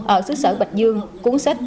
ở xứ sở bạch dương cuốn sách